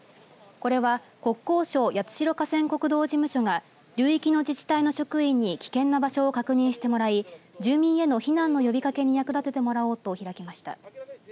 これは国交省八代河川国道事務所が流域の自治体の職員に危険な場所を確認してもらい住民への避難の呼びかけに役立ててもらおうと開きました。